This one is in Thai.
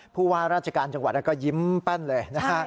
ผู้ว่าราชการจังหวัดก็ยิ้มแป้นเลยนะฮะ